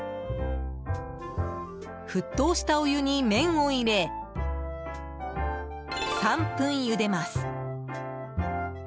沸騰したお湯に麺を入れ３分ゆでます。